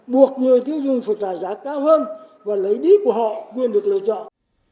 buộc người tiêu dùng phải trả giá cao hơn và lấy đi của họ quyền được lựa chọn